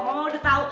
mama udah tau